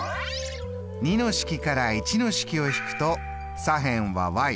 ２の式から１の式を引くと左辺は。